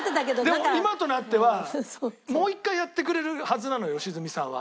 でも今となってはもう１回やってくれるはずなのよ良純さんは。